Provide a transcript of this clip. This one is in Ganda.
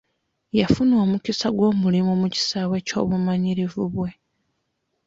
Yafuna omukisa gw'omulimu mu kisaawe ky'obumanyirivu bwe.